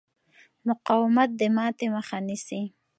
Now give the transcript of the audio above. مقاومت د ماتې مخه نیسي.